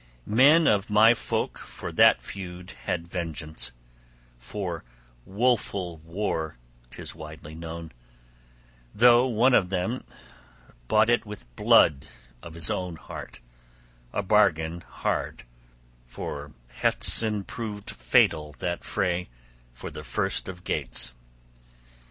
Men of my folk for that feud had vengeance, for woful war ('tis widely known), though one of them bought it with blood of his heart, a bargain hard: for Haethcyn proved fatal that fray, for the first of Geats.